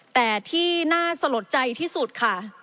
แต่ที่น่าสลดใจที่สุดค่ะ